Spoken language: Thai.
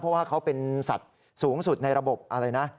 เพราะว่าเขาเป็นสัตว์สูงสุดในระบบอะไรนะ